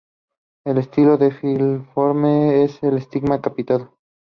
These novels often focused on the experience of ironworkers.